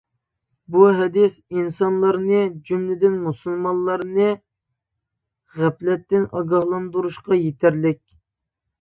بۇ ھەدىس ئىنسانلارنى، جۈملىدىن مۇسۇلمانلارنى غەپلەتتىن ئاگاھلاندۇرۇشقا يېتەرلىك.